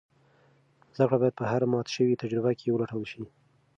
زده کړه باید په هره ماته شوې تجربه کې ولټول شي.